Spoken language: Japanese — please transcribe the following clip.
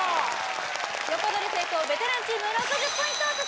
横取り成功ベテランチーム６０ポイントを差し上げます